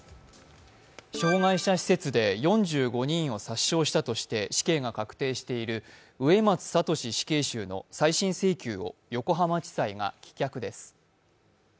障害者施設で４５人を殺傷したとして死刑が確定している植松聖死刑囚の再審請求を横浜地裁が棄却です。